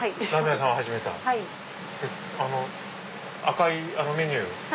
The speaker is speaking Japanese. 赤いあのメニュー。